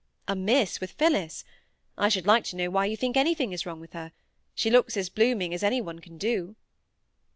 "Amiss with Phillis! I should like to know why you think anything is wrong with her. She looks as blooming as any one can do."